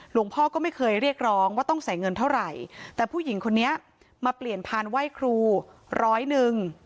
หลวงพ่อก็ไม่เคยเรียกร้องว่าต้องใส่เงินเท่าไหร่แต่ผู้หญิงคนนี้มาเปลี่ยนพานไหว้ครูร้อยหนึ่ง